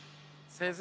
先生